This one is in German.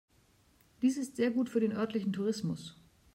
Dies ist sehr gut für den örtlichen Tourismus.